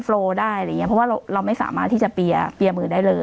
โลได้อะไรอย่างเงี้เพราะว่าเราไม่สามารถที่จะเปียมือได้เลย